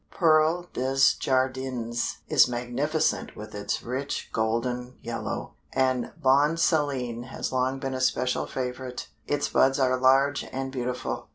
Perle des Jardins is magnificent with its rich golden yellow, and Bon Silene has long been a special favorite. Its buds are large and beautiful.